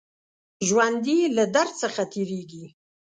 ژوندي له درد څخه تېرېږي